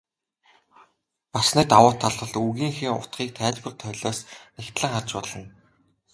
Бас нэг давуу тал бол үгийнхээ утгыг тайлбар толиос нягтлан харж болно.